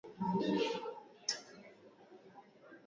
Kutokula au kula chakula kidogo kuliko kawaida